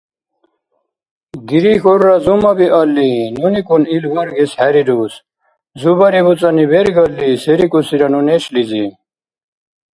Дирихь гӀурра зумабиалли, нуникӀун ил баргес хӀерирус. Зубари буцӀани бергалли, се рикӀусира ну нешлизи?